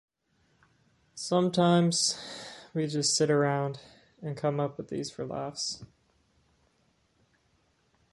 Sometimes we just sit around and come up with these for laughs.